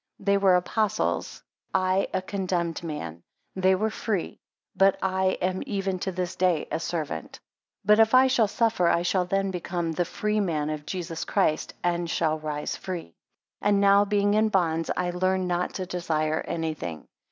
They were Apostles, I a condemned man; they were free, but I am even to this day a servant: 7 But if I shall suffer, I shall then become the freeman of Jesus Christ, and shall rise free. And now, being in bonds, I learn not to desire any thing.